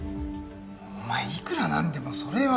お前いくらなんでもそれは。